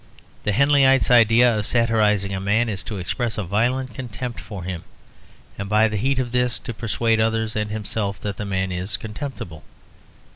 The Henleyite's idea of satirising a man is to express a violent contempt for him, and by the heat of this to persuade others and himself that the man is contemptible.